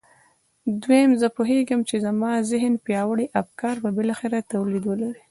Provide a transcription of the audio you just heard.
دويم زه پوهېږم چې زما د ذهن پياوړي افکار به بالاخره توليد ولري.